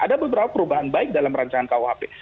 ada beberapa perubahan baik dalam rkuhp